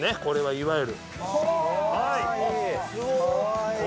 これはいわゆる。